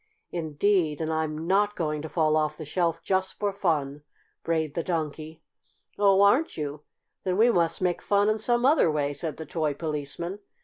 "Indeed, and I'm not going to fall off the shelf just for fun!" brayed the Donkey. "Oh, aren't you? Then we must make fun in some other way," said the toy Policeman.